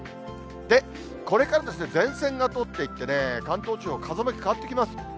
で、これから前線が通っていってね、関東地方、風向き変わってきます。